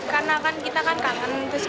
karena kan kita kangen